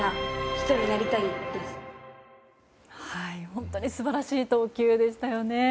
本当に素晴らしい投球でしたよね。